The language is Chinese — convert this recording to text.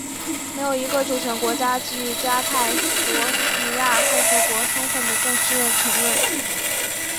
没有一个主权国家给予加泰罗尼亚共和国充分的正式承认。